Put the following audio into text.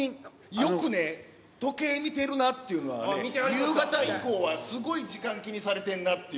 よくね、時計見てるなっていうね、夕方以降はすごい時間気にされてんなっ